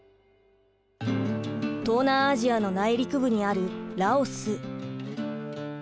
東南アジアの内陸部にあるラオス。